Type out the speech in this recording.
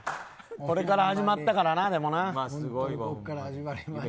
これから始まったからな。